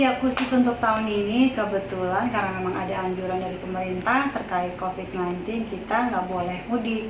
ya khusus untuk tahun ini kebetulan karena memang ada anjuran dari pemerintah terkait covid sembilan belas kita nggak boleh mudik